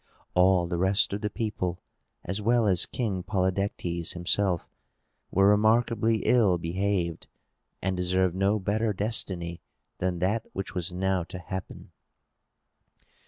All the rest of the people, as well as King Polydectes himself, were remarkably ill behaved, and deserved no better destiny than that which was now to happen.